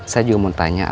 saya juga mau tanya apa